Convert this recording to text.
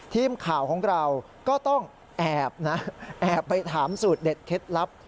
ทีมข่าวของเราก็ต้องแอบนะแอบไปถามสูตรเด็ดเคล็ดลับ